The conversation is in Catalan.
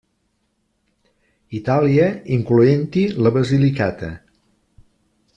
Itàlia, incloent-hi la Basilicata.